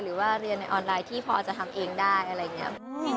หรือว่าเรียนในออนไลน์ที่พอจะทำเองได้อะไรอย่างนี้